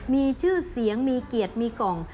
มีชื่อเสียงมีเกียรติมีกล่อง